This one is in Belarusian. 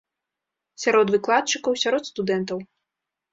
Сярод выкладчыкаў, сярод студэнтаў.